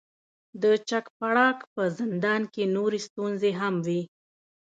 د چک پراګ په زندان کې نورې ستونزې هم وې.